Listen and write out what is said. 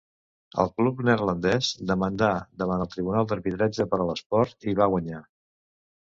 El club neerlandès demandà davant el Tribunal d'Arbitratge per a l'Esport i va guanyar.